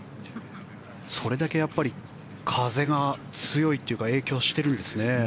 それだけやっぱり風が強いというか影響してるんですね。